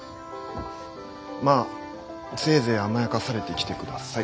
まあせいぜい甘やかされてきてください。